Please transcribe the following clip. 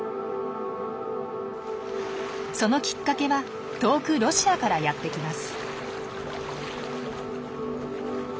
そのきっかけは遠くロシアからやって来ます。